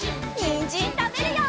にんじんたべるよ！